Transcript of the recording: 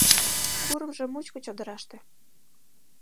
Курымжо мучко чодыраште